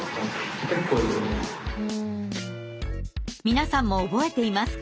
皆さんも覚えていますか？